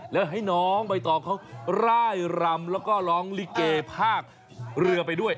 แล้วให้น้องใบตองเขาร่ายรำแล้วก็ร้องลิเกภาคเรือไปด้วย